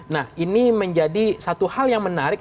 nah ini menjadi satu hal yang menarik